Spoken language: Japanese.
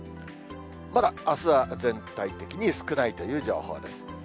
まだあすは全体的に少ないという情報です。